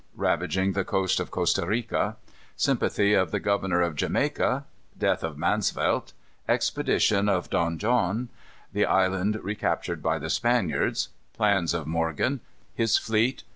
Ravaging the Coast of Costa Rica. Sympathy of the Governor of Jamaica. Death of Mansvelt. Expedition of Don John. The Island Recaptured by the Spaniards. Plans of Morgan. His Fleet.